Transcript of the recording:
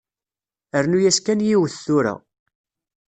Rnu-yas kan yiwet tura.